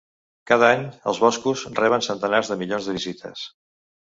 Cada any, els boscos reben centenars de milions de visites.